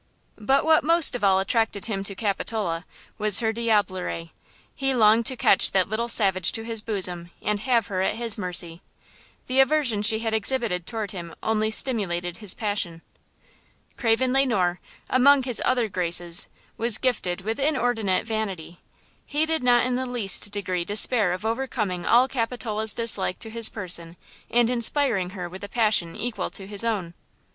But what most of all attracted him to Capitola was her diablerie. He longed to catch that little savage to his bosom and have her at his mercy. The aversion she had exhibited toward him only stimulated his passion. Craven Le Noir, among his other graces, was gifted with inordinate vanity. He did not in the least degree despair of over coming all Capitola's dislike to his person and inspiring her with a passion equal to his own.